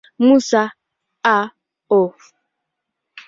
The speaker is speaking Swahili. Musa, A. O.